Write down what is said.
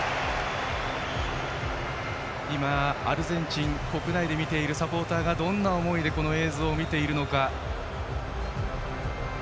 今、アルゼンチン国内で見ているサポーターがどんな思いでこの映像を見ているか。